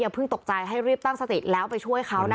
เพิ่งตกใจให้รีบตั้งสติแล้วไปช่วยเขานะคะ